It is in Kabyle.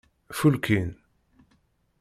Fulkin.